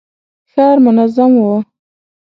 ښار منظم و.